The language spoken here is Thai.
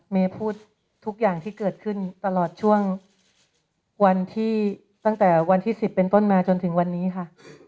พูดทุกอย่างที่เกิดขึ้นตลอดช่วงวันที่ตั้งแต่วันที่๑๐เป็นต้นมาจนถึงวันนี้ค่ะ